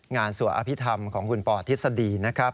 งานสวอภิธรรมของคุณปธิสดีนะครับ